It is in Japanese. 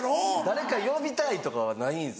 誰か呼びたいとかはないんですか？